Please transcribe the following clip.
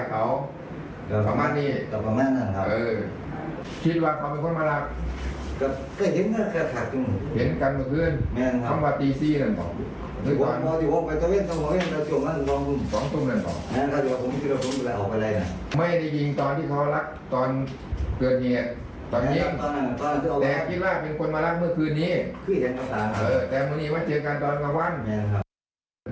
คุณพ่อชิมรูปชายล่ะ